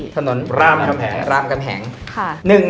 ถนนรามกำแหง